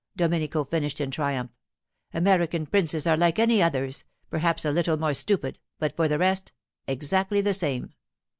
Domenico finished in triumph. 'American princes are like any others—perhaps a little more stupid, but for the rest, exactly the same.